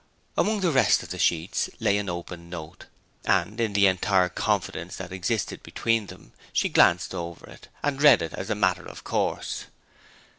Among the rest of the sheets lay an open note, and, in the entire confidence that existed between them, she glanced over and read it as a matter of course.